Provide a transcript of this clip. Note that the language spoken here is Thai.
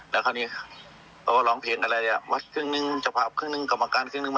แล้วคราวนี้เขาก็ร้องเพลงอะไรอ่ะวัดครึ่งหนึ่งเจ้าภาพครึ่งหนึ่งกรรมการครึ่งหนึ่งมา